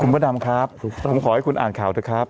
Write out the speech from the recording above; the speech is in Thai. ผมขอให้คุณอ่านข่าวด้วยครับ